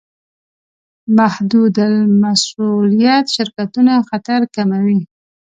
محدودالمسوولیت شرکتونه خطر کموي.